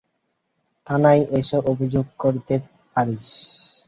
থানায় এসে অভিযোগ করতে পারিস।